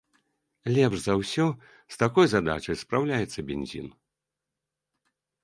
Лепш за ўсё з такой задачай спраўляецца бензін.